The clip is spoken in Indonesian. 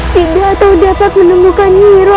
tidak tahu dapat menemukan hero